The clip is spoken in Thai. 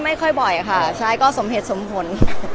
ไม่บ่อยค่ะใช่พิมพ์ก็สมเหตุสมผล